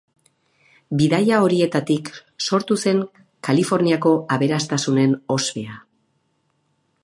Bidaia horietatik sortu zen Kaliforniako aberastasunen ospea.